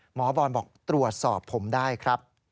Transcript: หมอบอลบอกตรวจสอบผมได้ครับ